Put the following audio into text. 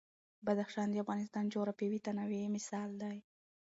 بدخشان د افغانستان د جغرافیوي تنوع مثال دی.